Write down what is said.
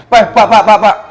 pak pak pak pak pak